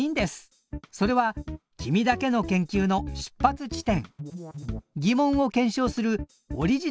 それは君だけの研究の出発地点。